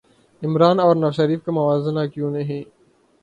عمرا ن اور نواز شریف کا موازنہ کیوں نہیں